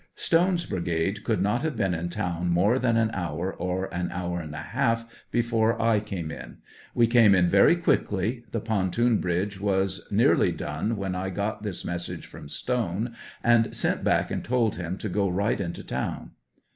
Stone's brigade could not have been in town more than an hour or an hour and a half before I came in ; we came in very quickly; the pontoon bridge was nearly done when 1 got this message from Stone, and sent back and told him to go right into town.